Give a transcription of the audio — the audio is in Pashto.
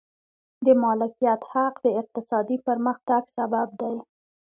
د مالکیت حق د اقتصادي پرمختګ سبب دی.